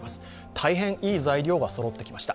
大変いい材料がそろってきました。